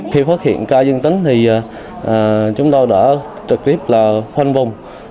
khi phát hiện ca dương tính thì chúng tôi đã trực tiếp là khoanh vùng